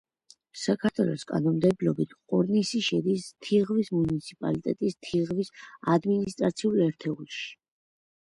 საქართველოს კანონმდებლობით ყორნისი შედის თიღვის მუნიციპალიტეტის თიღვის ადმინისტრაციულ ერთეულში.